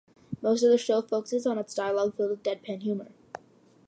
Most of the show focuses on its dialog filled with deadpan humor.